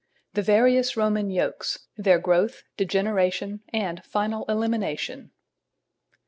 THE VARIOUS ROMAN YOKES: THEIR GROWTH, DEGENERATION, AND FINAL ELIMINATION.